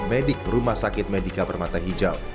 medik rumah sakit medika permata hijau